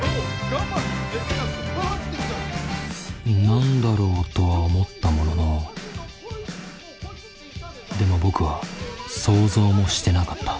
何だろう？とは思ったもののでも僕は想像もしてなかった。